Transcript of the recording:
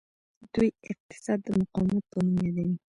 دوی اقتصاد د مقاومت په نوم یادوي.